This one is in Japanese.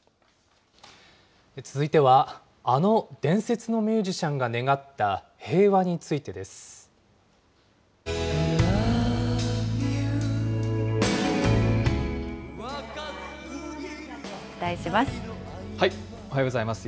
続いてはあの伝説のミュージシャンが願った平和についてです。おはようございます。